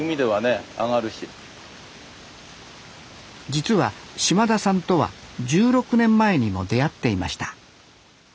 実は島田さんとは１６年前にも出会っていました